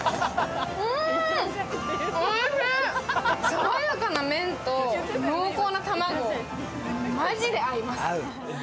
爽やかな麺と濃厚な卵、マジで合います！